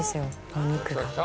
お肉が。